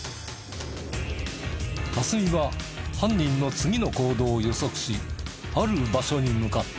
辰己は犯人の次の行動を予測しある場所に向かった。